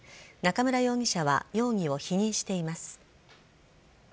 中村容疑者は容疑を否認しています。